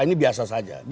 ini biasa saja